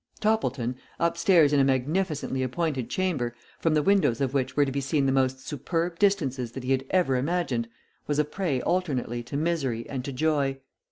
Toppleton, upstairs in a magnificently appointed chamber, from the windows of which were to be seen the most superb distances that he had ever imagined, was a prey alternately to misery and to joy.